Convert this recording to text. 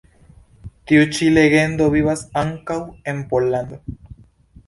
Tiu ĉi legendo vivas ankaŭ en Pollando.